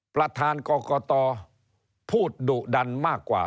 ประธานกรกตพูดดุดันมากกว่า